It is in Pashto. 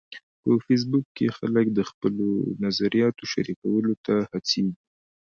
په فېسبوک کې خلک د خپلو نظریاتو شریکولو ته هڅیږي.